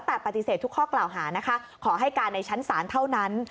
แต่ปฏิเสธทุกข้อกล่าวหานะคะขอให้การในชั้นศาลเท่านั้น